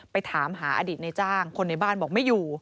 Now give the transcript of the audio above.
ไปถามหาอดีตในจ้างคนในบ้านบอกไม่อยู่